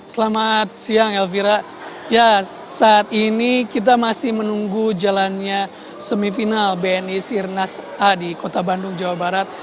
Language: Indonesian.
selamat siang elvira saat ini kita masih menunggu jalannya semifinal bni sirkuit nasional a dua ribu dua puluh tiga di kota bandung jawa barat